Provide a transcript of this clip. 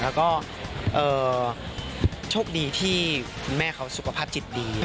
แล้วก็โชคดีที่คุณแม่เขาสุขภาพจิตดี